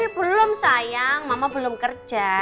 belum sayang mama belum kerja